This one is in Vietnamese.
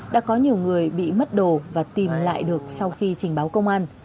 đã có nhiều người bị mất đồ và tìm lại được sau khi trình báo công an